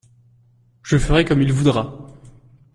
Je ferai comme il voudra.